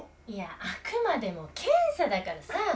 いやあくまでも検査だからさ。